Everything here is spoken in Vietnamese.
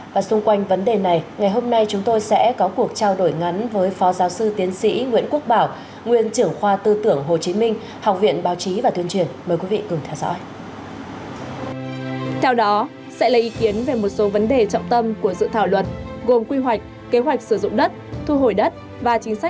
và xung quanh vấn đề này ngày hôm nay chúng tôi sẽ có cuộc trao đổi ngắn với phó giáo sư tiến sĩ nguyễn quốc bảo nguyên trưởng khoa tư tưởng hồ chí minh học viện báo chí và tuyên truyền mời quý vị cùng theo dõi